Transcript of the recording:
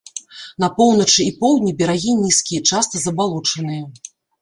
На поўначы і поўдні берагі нізкія, часта забалочаныя.